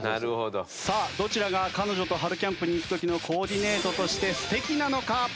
さあどちらが彼女と春キャンプに行く時のコーディネートとして素敵なのか？